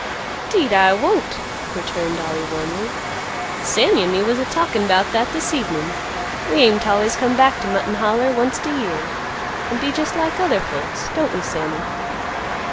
"'Deed, I won't!" returned Ollie warmly. "Sammy an' me was a talkin' 'bout that this evenin'. We aim t' always come back t' Mutton Holler onct a year, an' be just like other folks; don't we, Sammy?"